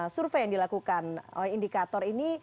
survei yang dilakukan oleh indikator ini